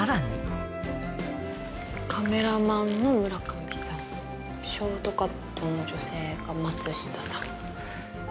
カメラマンの村上さん、ショートカットの女性が松下さん。